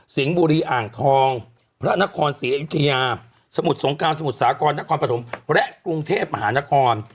บุรีอ่างทองพระนครศรีอยุธยาสมุทรสงครามสมุทรสาครนครปฐมและกรุงเทพมหานคร